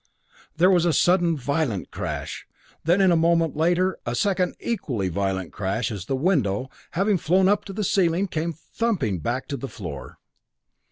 There was a sudden violent crash, then a moment later a second equally violent crash as the window, having flown up to the ceiling, came thumping back to the floor.